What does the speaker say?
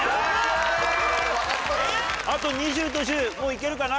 あと２０と１０もういけるかな？